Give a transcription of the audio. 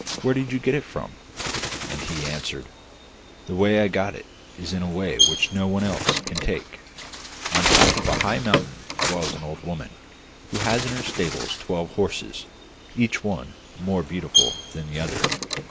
Where did you get it from?' And he answered: 'The way I got it is a way which no one else can take. On the top of a high mountain dwells an old woman, who has in her stables twelve horses, each one more beautiful than the other.